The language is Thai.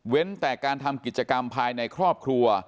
แต่การทำกิจกรรมภายในครอบครัว